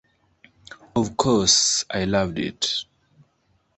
Of course, I loved it.